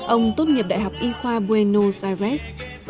ông tốt nghiệp đại học y khoa buenos aires